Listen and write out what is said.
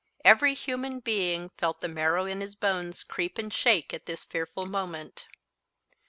Every human being felt the marrow in his bones creep and shake at this fearful moment.